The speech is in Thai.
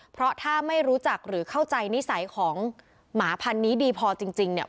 เพราะถ้าไม่รู้จักหรือเข้าใจนิสัยของหมาพันธุ์นี้ดีพอจริงเนี่ย